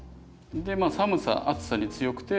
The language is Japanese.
でまあ寒さ暑さに強くて。